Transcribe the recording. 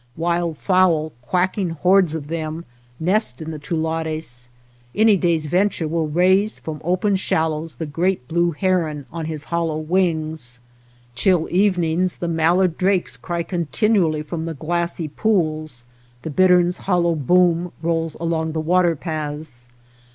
Wild fowl, quacking hordes of them, nest in the tulares. Any day's venture will raise from open shallows the great blue 241 OTHER WATER BORDERS heron on his hollow wings. Chill evenings the mallard drakes cry continually from the glassy pools, the bittern's hollow boom rolls along the water paths.